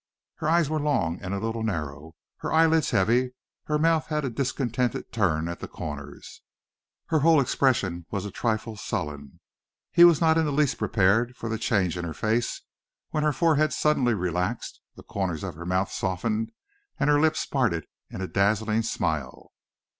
Her eyes were long, and a little narrow, her eyelids heavy, her mouth had a discontented turn at the corners, her whole expression was a trifle sullen. He was not in the least prepared for the change in her face when her forehead suddenly relaxed, the corners of her mouth softened, and her lips parted in a dazzling smile.